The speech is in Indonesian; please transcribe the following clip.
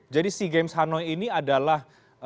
jadi sea games hanoi ini adalah